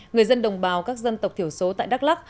người dân đồng bào các dân tộc thiểu số tại đắk lắc